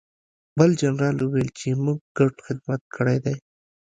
بل جنرال وویل چې موږ ګډ خدمت کړی دی